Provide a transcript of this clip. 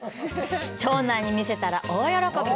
長男に見せたら大喜び！